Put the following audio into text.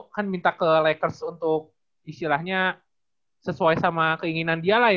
kan minta ke lakers untuk istilahnya sesuai sama keinginan dia lah ya